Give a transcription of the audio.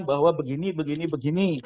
bahwa begini begini begini